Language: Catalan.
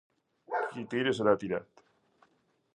Qui tira serà tirat.